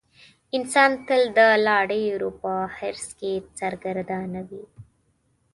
انسان تل د لا ډېرو په حرص کې سرګردانه وي.